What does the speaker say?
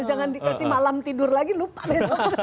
jangan dikasih malam tidur lagi lupa besok